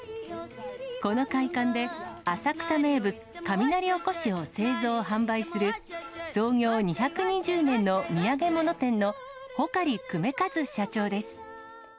この会館で、浅草名物、雷おこしを製造・販売する、創業２２０年の土産物店の穂刈久米一社長です。